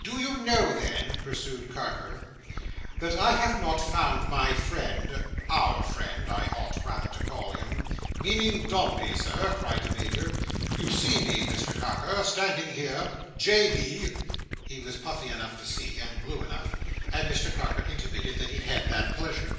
"Do you know, then," pursued Carker, "that I have not found my friend—our friend, I ought rather to call him—" "Meaning Dombey, Sir?" cried the Major. "You see me, Mr Carker, standing here! J. B.?" He was puffy enough to see, and blue enough; and Mr Carker intimated the he had that pleasure.